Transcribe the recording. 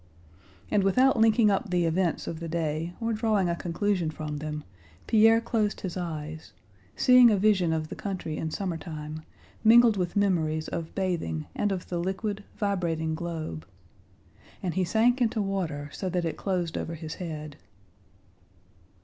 And without linking up the events of the day or drawing a conclusion from them, Pierre closed his eyes, seeing a vision of the country in summertime mingled with memories of bathing and of the liquid, vibrating globe, and he sank into water so that it closed over his head.